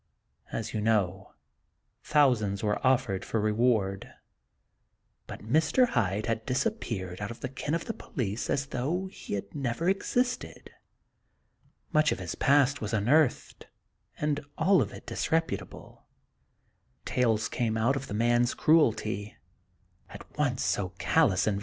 As you know, thousands were offered for reward ; but Mr. Hyde had disappeared out of the ken of the police as though he had never existed. Much of his past was unearthed, and all disreputable; tales came out of the man's cruelty, at once so callous and Dr. Jekyll and Mr. Hyde.